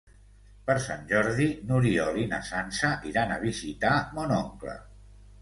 Per Sant Jordi n'Oriol i na Sança iran a visitar mon oncle.